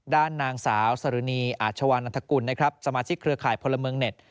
ด้านนางสาวสรุณีอาชวานันทกุลนะครับสมาชิกเครือข่ายพลเมืองเน็ต